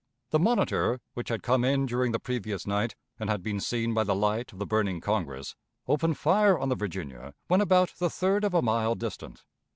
The Monitor, which had come in during the previous night, and had been seen by the light of the burning Congress, opened fire on the Virginia when about the third of a mile distant.